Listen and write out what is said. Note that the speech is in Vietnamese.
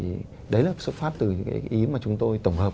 thì đấy là xuất phát từ những cái ý mà chúng tôi tổng hợp